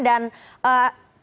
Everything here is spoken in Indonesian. dan tidak terkena